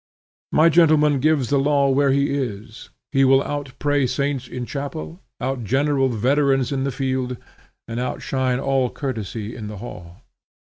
My gentleman gives the law where he is; he will outpray saints in chapel, outgeneral veterans in the field, and outshine all courtesy in the hall.